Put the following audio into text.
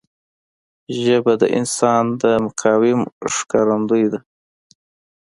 ژبه د انسان د مقام ښکارندوی ده